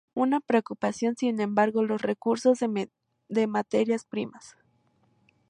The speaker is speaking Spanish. Una preocupación, sin embargo: los recursos de materias primas.